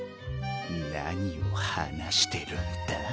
何を話してるんだ？